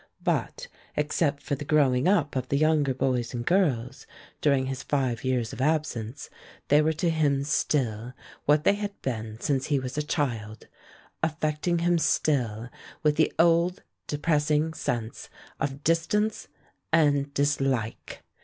But, except for the growing up of the younger boys and girls during his five years of absence, they were to him still what they had been since he was a child, affecting him still with the old depressing sense of distance and dislike.